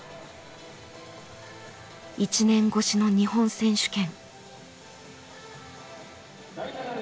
１年越しの日本選手権。